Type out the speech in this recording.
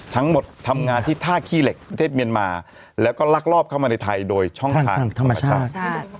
ทั้งหมดทำงานที่ท่าขี้เหล็กประเทศเมียนมาแล้วก็ลักลอบเข้ามาในไทยโดยช่องทางธรรมชาติ